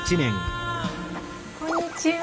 こんにちは。